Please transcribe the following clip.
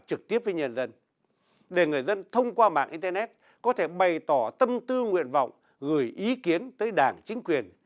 trực tiếp với nhân dân để người dân thông qua mạng internet có thể bày tỏ tâm tư nguyện vọng gửi ý kiến tới đảng chính quyền